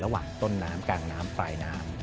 ระหว่างต้นน้ำกลางน้ำปลายน้ำ